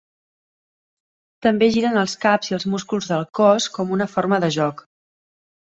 També giren els caps i els músculs del cos com una forma de joc.